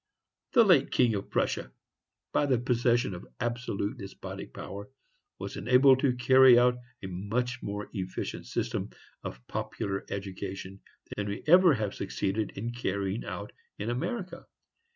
The late King of Prussia, by the possession of absolute despotic power was enabled to carry out a much more efficient system of popular education than we ever have succeeded in carrying out in America.